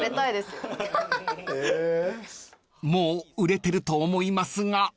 ［もう売れてると思いますが］